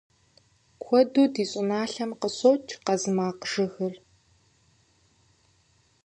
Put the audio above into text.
Куэду ди щӏыналъэм къыщокӏ къазмакъжыгыр.